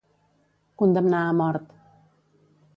Condemnar a mort.